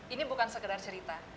ini bukan sekedar cerita